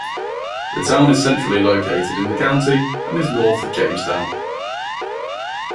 The town is centrally located in the county and is north of Jamestown.